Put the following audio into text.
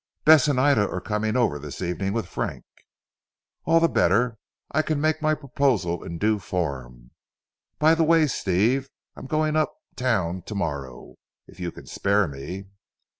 "Bess and Ida are coming over this evening with Frank." "All the better. I can make my proposal in due form. By the way Steve I am going up Town to morrow if you can spare me."